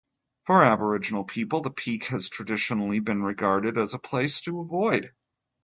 For Aboriginal people the peak has traditionally been regarded as a place to avoid.